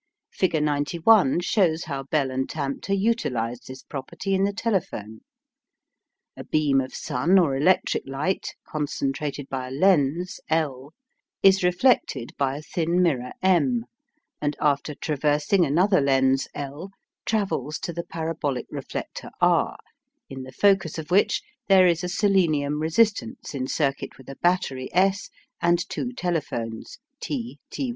Figure 91 shows how Bell and Tamter utilised this property in the telephone. A beam of sun or electric light, concentrated by a lens L, is reflected by a thin mirror M, and after traversing another lens L, travels to the parabolic reflector R, in the focus of which there is a selenium resistance in circuit with a battery S and two telephones T T'.